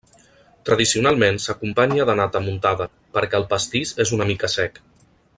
Tradicionalment s'acompanya de nata muntada, perquè el pastís és una mica sec.